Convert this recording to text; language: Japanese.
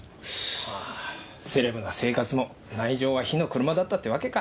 セレブな生活も内情は火の車だったってわけか。